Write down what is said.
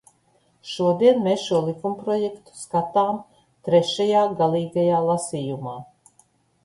Šodien mēs šo likumprojektu skatām trešajā, galīgajā, lasījumā.